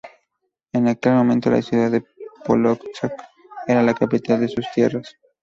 En aquel momento, la ciudad de Pólotsk era la capital de sus tierras.